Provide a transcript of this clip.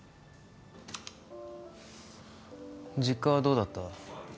実家はどうだった？